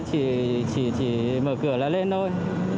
chỉ mở cửa là lên thôi